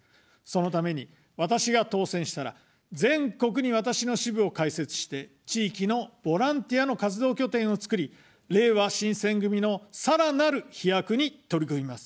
そのために、私が当選したら、全国に私の支部を開設して、地域のボランティアの活動拠点を作り、れいわ新選組のさらなる飛躍に取り組みます。